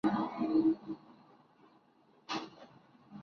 Tenía un matacán de los que sólo quedan las cartelas.